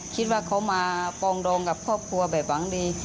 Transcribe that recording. คิดว่าเขามาปองดองกับครอบครัวแบบหวังดี